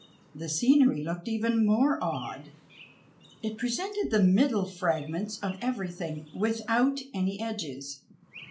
The scenery looked even more odd. It presented the middle fragments of everytiiing without any edges.